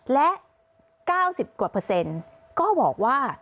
และ๙๐กว่าเปอร์เซ็นต์ก็บอกว่า